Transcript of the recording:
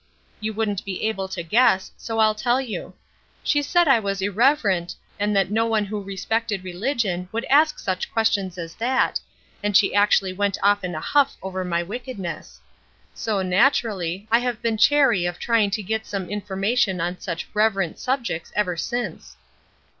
You wouldn't be able to guess, so I'll tell you. She said I was irreverent, and that no one who respected religion would ask such questions as that, and she actually went off in a huff over my wickedness. So, naturally, I have been chary of trying to get information on such 'reverent' subjects ever since."